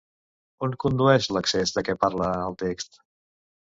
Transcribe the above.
On condueix l'accés de què parla el text?